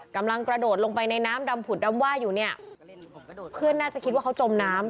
กำลังกระโดดลงไปในน้ำดำผุดดำว่าอยู่เนี่ยเพื่อนน่าจะคิดว่าเขาจมน้ำ